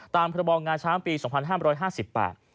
ตามพระบองงาช้างปี๒๕๕๐บาท